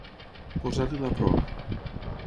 Posar-li la proa.